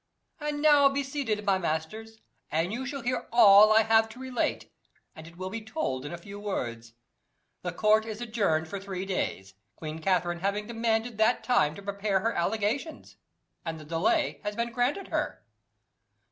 "And now be seated, my masters, and you shall hear all I have to relate, and it will be told in a few words. The court is adjourned for three days, Queen Catherine having demanded that time to prepare her allegations, and the delay has been granted her."